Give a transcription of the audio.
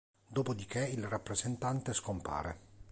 Dopodiché, il rappresentante scompare.